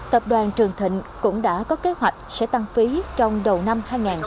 tập đoàn trường thịnh cũng đã có kế hoạch sẽ tăng phí trong đầu năm hai nghìn hai mươi